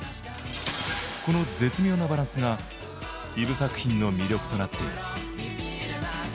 この絶妙なバランスがＥｖｅ作品の魅力となっている。